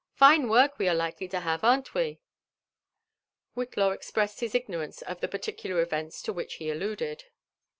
— Fine work we are likely to have, iirn't wef ' Whitlaw expressed his ignorance of the particular events to which he alluded.